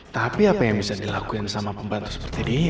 tapi apa yang bisa dilakukan sama pembantu seperti dia